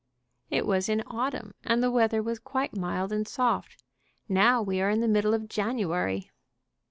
"It was in autumn, and the weather was quite mild and soft. Now we are in the middle of January."